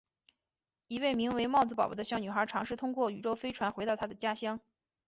一位名为帽子宝宝的小女孩尝试通过宇宙飞船回到她的家乡。